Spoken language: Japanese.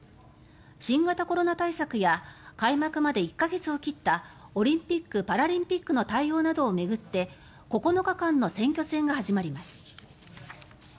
新型コロナ対策や開幕まで１か月を切ったオリンピック・パラリンピックの対応などを巡って９日間の選挙戦が始まります。